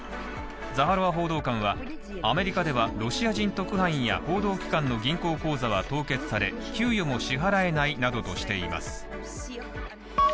ザハロワ報道官は、アメリカではロシア人特派員や報道機関の銀行口座は凍結され、給与を支払えないなどとしています。